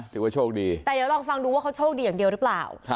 แต่เดี๋ยวลองฟังดูว่าเขาโชคดีอย่างเดียวหรือเปล่า